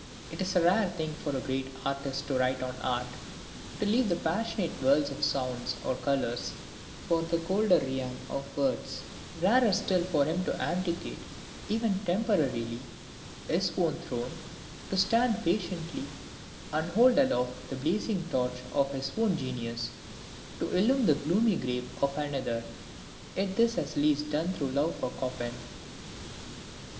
It is a rare thing for a great artist to write on art, to leave the passionate worlds of sounds or colors for the colder realm of words; rarer still for him to abdicate, even temporarily, his own throne, to stand patiently and hold aloft the blazing torch of his own genius, to illume the gloomy grave of another: yet this has Liszt done through love for Chopin.